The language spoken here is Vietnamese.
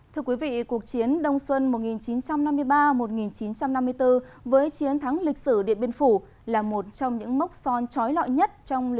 thưa quý vị cuộc chiến đông xuân một nghìn chín trăm năm mươi ba một nghìn chín trăm năm mươi bốn với chiến thắng lịch sử điện biên phủ là một trong những mốc son trói lọi nhất